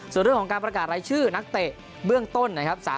ส่วนเรื่องของการประกาศรายชื่อนักเตะเบื้องต้นนะครับ